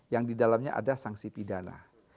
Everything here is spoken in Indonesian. yang di dalamnya ada sanksi pidana